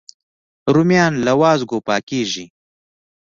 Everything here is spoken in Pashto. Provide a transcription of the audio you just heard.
رومیان له وازګو پاکېږي